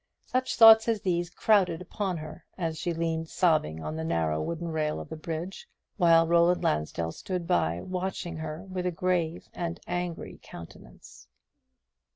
Such thoughts as these crowded upon her, as she leaned sobbing on the narrow wooden rail of the bridge; while Roland Lansdell stood by, watching her with a grave and angry countenance.